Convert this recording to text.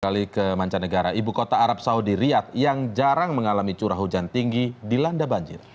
kali ke mancanegara ibu kota arab saudi riyad yang jarang mengalami curah hujan tinggi dilanda banjir